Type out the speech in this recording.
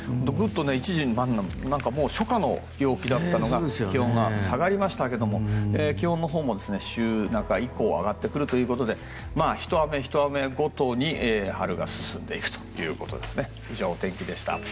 一時期、初夏の陽気だったのが気温が下がりましたが気温のほうも週中以降上がってくるということでひと雨、ひと雨ごとに春が進んでいくということです。